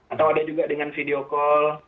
atau ada juga dengan video call